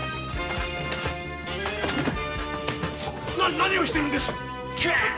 何をしてるんです？！